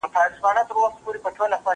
زه به زده کړه کړي وي،